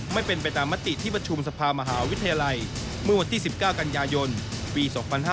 ไม่เป็นไปตามมติที่ประชุมสภามหาวิทยาลัยเมื่อวันที่๑๙กันยายนปี๒๕๕๙